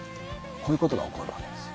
こういうことが起こるわけです。